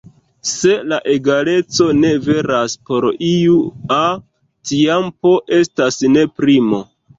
Se la egaleco ne veras por iu "a", tiam "p" estas ne primo.